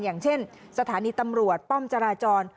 อย่างเช่นสถานีตำรวจป้อมจราจร